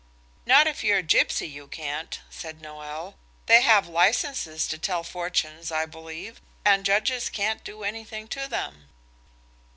"Not if you're a gipsy you can't," said Noël; "they have licenses to tell fortunes, I believe, and judges can't do anything to them."